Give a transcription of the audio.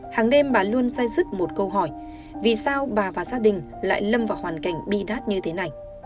hàng đêm bà luôn say sức một câu hỏi vì sao bà và gia đình lại lâm vào hoàn cảnh bi đát như thế này